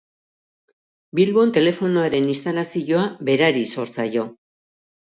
Bilbon telefonoaren instalazioa berari zor zaio.